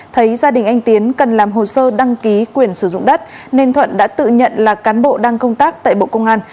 thấy gia đình anh tiến cần làm hồ sơ đăng ký quyền sử dụng đất nên thuận đã tự nhận là cán bộ đang công tác tại bộ công an